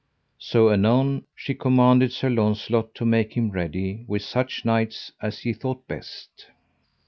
So anon she commanded Sir Launcelot to make him ready with such knights as he thought best.